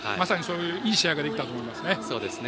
いい試合ができたと思います。